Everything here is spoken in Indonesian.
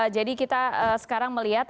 jadi kita sekarang melihat